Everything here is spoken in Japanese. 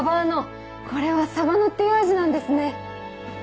これはサバノっていうアジなんですね。